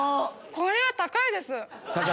これは高いです！